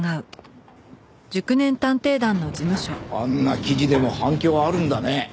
あんな記事でも反響あるんだね。